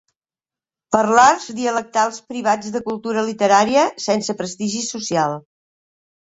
Parlars dialectals privats de cultura literària, sense prestigi social.